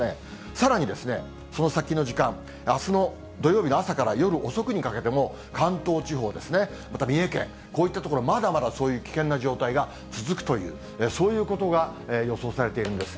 さらにその先の時間、あすの土曜日の朝から夜遅くにかけても、関東地方ですね、また三重県、こういった所、まだまだそういう危険な状態が続くという、そういうことが予想されているんです。